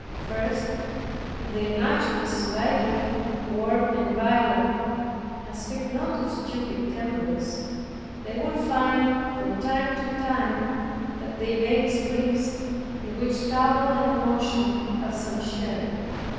First, if their nature is lively, warm and violent, (I speak not of stupid tempers) they will find, from time to time, that they make slips, in which trouble and emotion have some share.